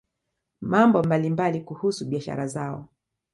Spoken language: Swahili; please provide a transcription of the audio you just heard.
mambo mbalimbali kuhusu biashara zao